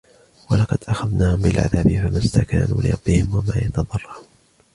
ولقد أخذناهم بالعذاب فما استكانوا لربهم وما يتضرعون